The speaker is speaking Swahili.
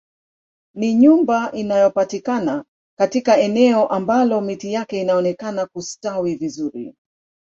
Ni nyumba inayopatikana katika eneo ambalo miti yake inaonekana kustawi vizuri